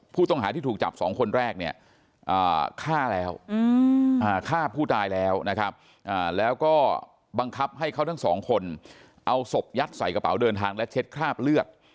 ผู้ต้องหาที่ถูกจับ๒คนแรกเนี่ยฆ่าแล้วฆ่าผู้ตายแล้วนะครับแล้วก็บังคับให้เขาทั้งสองคนเอาศพยัดใส่กระเป๋าเดินทางและเช็ดคราบเลือด